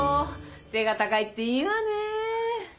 背が高いっていいわねぇ！